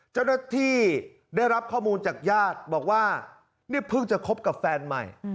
เจ้าหน้าที่ได้รับข้อมูลจากญาติบอกว่านี่เพิ่งจะคบกับแฟนใหม่